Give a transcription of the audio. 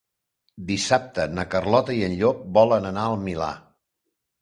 Dissabte na Carlota i en Llop volen anar al Milà.